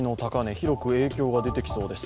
広く影響が出てきそうです。